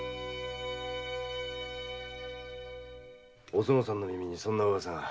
おそのさんの耳にそんな噂が。